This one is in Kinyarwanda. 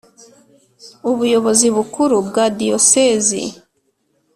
Ubuyobozi bukuru bwa Diyosezi